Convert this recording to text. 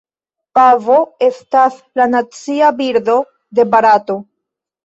Pavo estas la nacia birdo de Barato.